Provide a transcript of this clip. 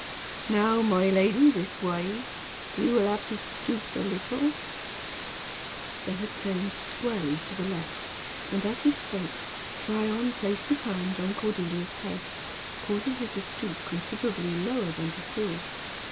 "Now, my lady, this way. You will have to stoop a little." They had turned squarely to the left, and, as he spoke, Tryon placed his hand on Cordelia's head, causing her to stoop considerably lower than before.